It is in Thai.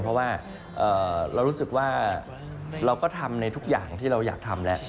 เพราะว่าเรารู้สึกว่าเราก็ทำในทุกอย่างที่เราอยากทำแล้ว